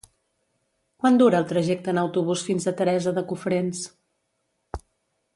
Quant dura el trajecte en autobús fins a Teresa de Cofrents?